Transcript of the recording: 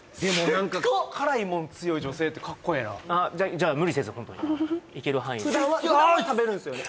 ・辛いもん強い女性ってかっこええなじゃあ無理せずホントにいける範囲で普段は食べるんですよね？